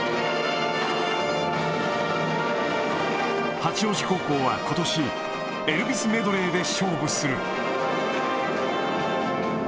八王子高校はことし、エルヴィスメドレーで勝負する。